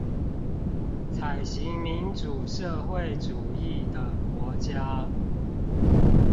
採行民主社會主義的國家